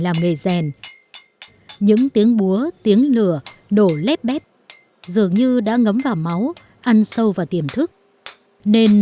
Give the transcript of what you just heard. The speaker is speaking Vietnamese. bà gà rèn những tiếng búa tiếng lửa đổ lép bép dường như đã ngấm vào máu ăn sâu và tiềm thức nên